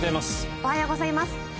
おはようございます。